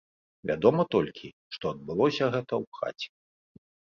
Вядома толькі, што адбылося гэта ў хаце.